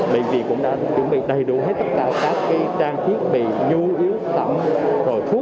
bệnh viện cũng đã chuẩn bị đầy đủ hết tất cả các trang chiếc bị nhu yếu tẩm hồi phút